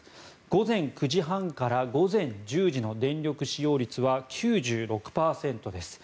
午前９時半から午前１０時の電力使用率は９６％です。